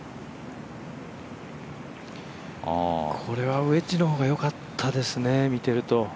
これはウェッジの方が良かったですね、見てると。